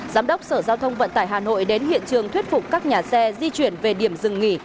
giám đốc sở giao thông vận tải hà nội đến hiện trường thuyết phục các nhà xe di chuyển về điểm dừng nghỉ